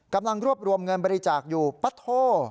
กำลังรวบรวมเงินบริจาคอยู่ปะโท